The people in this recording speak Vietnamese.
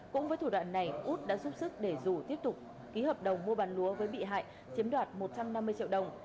cũng với thủ đoạn này út đã giúp sức để rủ tiếp tục ký hợp đồng mua bán lúa với bị hại chiếm đoạt một trăm năm mươi triệu đồng